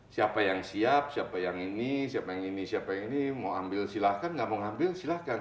siapa yang siap siapa yang ini siapa yang ini siapa yang ini mau ambil silahkan nggak mau ambil silahkan